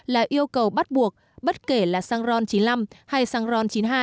là yêu cầu bắt buộc bất kể là xăng ron chín mươi năm hay xăng ron chín mươi hai